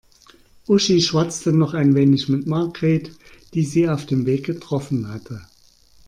Uschi schwatzte noch ein wenig mit Margret, die sie auf dem Weg getroffen hatte.